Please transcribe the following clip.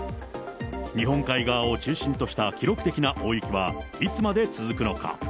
日本海側を中心とした記録的な大雪は、いつまで続くのか。